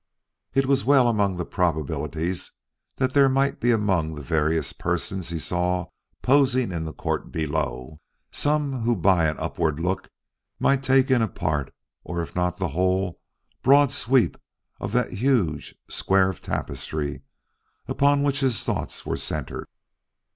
It was well among the probabilities that there might be among the various persons he saw posing in the court below some who by an upward look might take in a part of if not the whole broad sweep of that huge square of tapestry upon which his thoughts were centered.